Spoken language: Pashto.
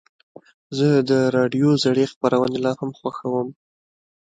زه د راډیو زړې خپرونې لا هم خوښوم.